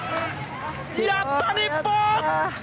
やった、日本！